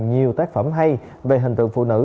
nhiều tác phẩm hay về hình tượng phụ nữ